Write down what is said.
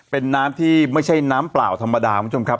เป็นน้ำที่ไม่ใช่น้ำเปล่าธรรมดาคุณผู้ชมครับ